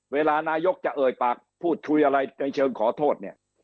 นายกจะเอ่ยปากพูดคุยอะไรในเชิงขอโทษเนี่ย